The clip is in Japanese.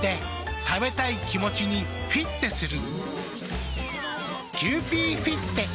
食べたい気持ちにフィッテする。